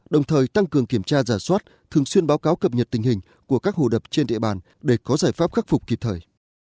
đồng thời tăng cường kiểm tra giả soát thường xuyên báo cáo cập nhật tình hình của các hồ đập trên địa bàn để có giải pháp khắc phục kịp thời